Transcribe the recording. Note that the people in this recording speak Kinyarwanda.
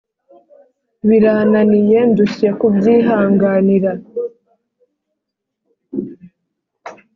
birananiye ndushye kubyihanganira